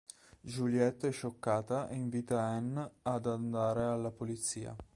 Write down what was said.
Juliette è scioccata e invita Anne ad andare alla polizia.